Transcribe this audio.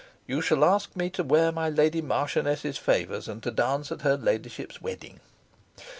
You shall ask me to wear my Lady Marchioness's favors and to dance at her ladyship's wedding."